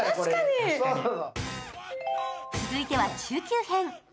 続いては中級編。